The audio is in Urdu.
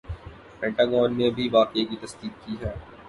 پینٹا گون نے بھی واقعہ کی تصدیق کی ہے